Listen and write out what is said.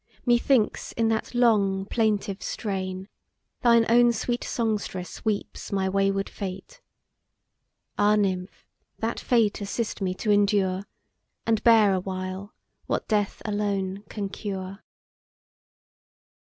methinks in that long plaintive strain, Thine own sweet songstress weeps my wayward fate; Ah, Nymph! that fate assist me to endure, And bear awhile what death alone can cure!